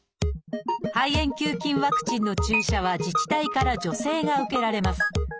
肺炎球菌ワクチンの注射は自治体から助成が受けられます。